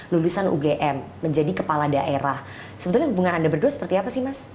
lulusan ugm menjadi kepala daerah sebetulnya hubungan anda berdua seperti apa sih mas